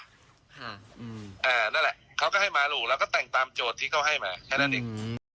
นั่นแหละเขาก็ให้มาลูกแล้วก็แต่งตามโจทย์ที่เขาให้มาแค่นั้นเองอืม